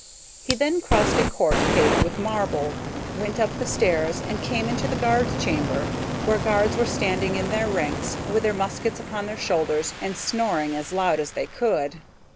He then crossed a court paved with marble, went up the stairs and came into the guard chamber, where guards were standing in their ranks, with their muskets upon their shoulders, and snoring as loud as they could.